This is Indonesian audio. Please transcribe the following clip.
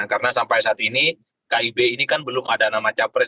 karena sampai saat ini kib ini kan belum ada nama capres